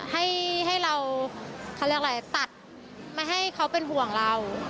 ให้เราตัดไม่ให้เขาเป็นห่วงเรา